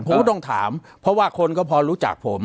ผมก็ต้องถามเพราะว่าคนก็พอรู้จักผม